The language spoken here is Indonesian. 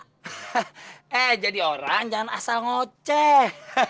eh jadi orang jangan asal ngoceh